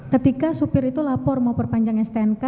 ketika supir itu lapor mau perpanjang stnk